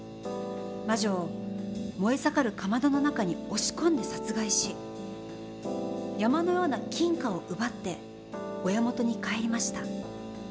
魔女を燃え盛るかまどの中に押し込んで殺害し山のような金貨を奪って親元に帰りました。